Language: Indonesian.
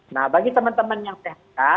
nah bagi teman teman yang phk